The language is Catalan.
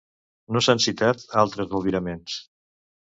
No s'han citat altres albiraments.